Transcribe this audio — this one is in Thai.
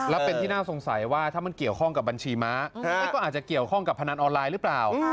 แล้วเป็นที่น่าสงสัยว่าถ้ามันเกี่ยวข้องกับบัญชีม้าก็อาจจะเกี่ยวข้องกับพนันออนไลน์หรือเปล่า